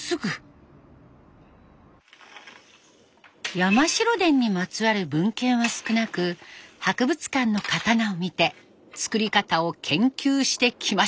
山城伝にまつわる文献は少なく博物館の刀を見て作り方を研究してきました。